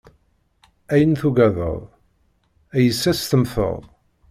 Ayen tugadeḍ, ad yes-s temmteḍ.